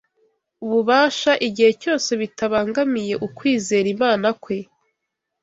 ububasha igihe cyose bitabangamiye ukwizera Imana kwe;